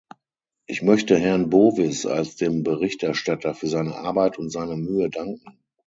Ich möchte Herrn Bowis als dem Berichterstatter für seine Arbeit und seine Mühe danken.